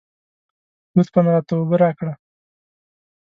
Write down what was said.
لطفاً راته اوبه راکړه.